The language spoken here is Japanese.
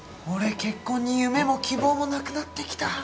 俺結婚に夢も希望もなくなってきた。